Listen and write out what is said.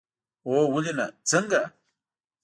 هو، ولې نه، څنګه؟